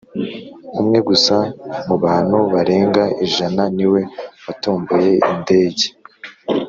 umwe gusa mubantu barenga ijana niwe watomboye indege